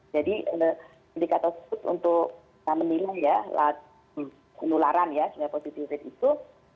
jadi indikator untuk menilai ya penularan ya positivity rate itu